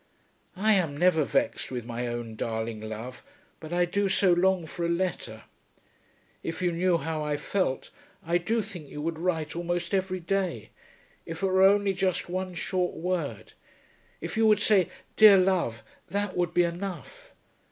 I am never vexed with my own darling love, but I do so long for a letter. If you knew how I felt, I do think you would write almost every day, if it were only just one short word. If you would say, 'Dear Love,' that would be enough.